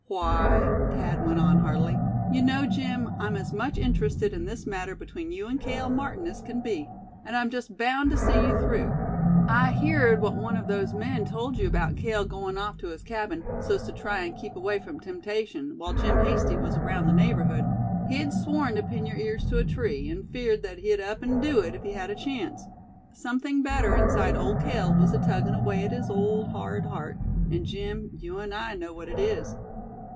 "Why," Thad went on, heartily, "you know, Jim, I'm as much interested in this matter between you and Cale Martin as can be. And I'm just bound to see you through. I heard what one of those men told you about Cale going off to his cabin, so's to try and keep away from temptation, while Jim Hasty was around the neighborhood. He'd sworn to pin your ears to a tree, and feared that he'd up and do it, if he had the chance. Something better inside Old Cale was a tuggin' away at his hard old heart; and Jim; you and I know what it is."